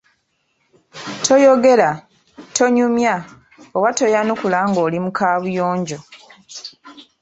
Toyogera, tonyumya oba toyanukula ng’oli mu Kaabuyonjo.